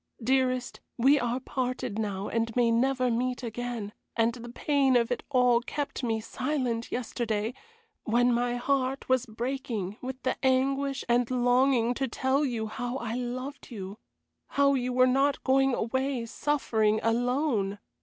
Dearest, we are parted now and may never meet again, and the pain of it all kept me silent yesterday, when my heart was breaking with the anguish and longing to tell you how I loved you, how you were not going away suffering alone.